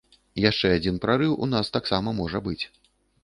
Яшчэ адзін прарыў у нас таксама можа быць.